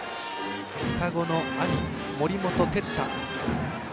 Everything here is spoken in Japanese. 双子の兄・森本哲太。